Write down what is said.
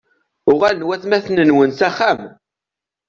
Uɣalen watmaten-nwen s axxam?